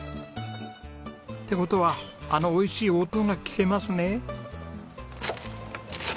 って事はあの美味しい音が聞けますね。